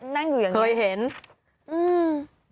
นั่งอยู่อย่างงีเคยเห็นอืม